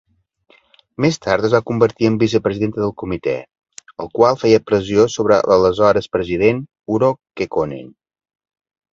Més tard es va convertir en vicepresidenta del comitè, el qual feia pressió sobre l'aleshores president Urho Kekkonen.